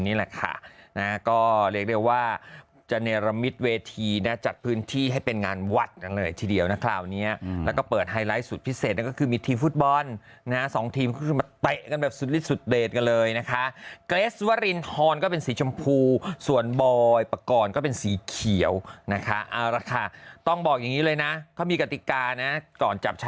นี่แหละค่ะนะก็เรียกได้ว่าจะเนรมิตเวทีนะจัดพื้นที่ให้เป็นงานวัดกันเลยทีเดียวนะคราวนี้แล้วก็เปิดไฮไลท์สุดพิเศษนั่นก็คือมีทีมฟุตบอลนะฮะสองทีมก็คือมาเตะกันแบบสุดลิดสุดเดทกันเลยนะคะเกรสวรินทรก็เป็นสีชมพูส่วนบอยปกรณ์ก็เป็นสีเขียวนะคะเอาละค่ะต้องบอกอย่างนี้เลยนะเขามีกติกานะก่อนจับ